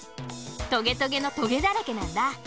トゲトゲのトゲだらけなんだ。